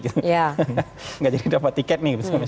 tidak jadi dapat tiket